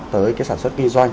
tới cái sản xuất kinh doanh